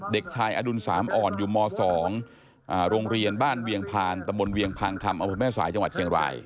เด็กชายอดุลสามอ่อนอยู่ม๒โรงเรียนบ้านเวียงพานตะบนเวียงพังคำอำเภอแม่สายจังหวัดเชียงราย